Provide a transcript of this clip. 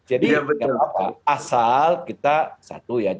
jadi asal kita satu ya